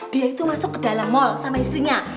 dia itu masuk ke dalam mal sama istrinya